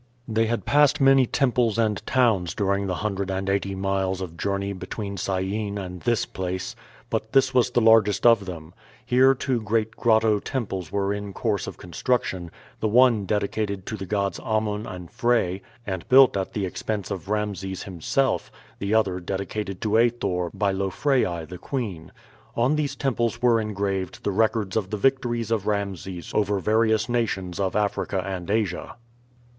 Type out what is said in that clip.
They had passed many temples and towns during the hundred and eighty miles of journey between Syene and this place, but this was the largest of them. Here two great grotto temples were in course of construction, the one dedicated to the gods Amun and Phre, and built at the expense of Rameses himself, the other dedicated to Athor by Lofreai, the queen. On these temples were engraved the records of the victories of Rameses over various nations of Africa and Asia.